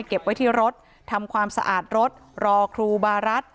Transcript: เก็บไว้ที่รถทำความสะอาดรถรอครูบารัฐ